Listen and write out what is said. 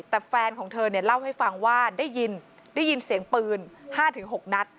แต่แฟนของเธอเนี่ยเล่าให้ฟังว่าได้ยินเสียงปืน๕๖นัด